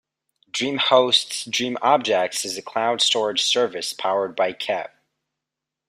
DreamHost's DreamObjects is a cloud storage service powered by Ceph.